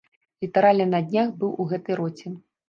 Літаральна на днях быў у гэтай роце.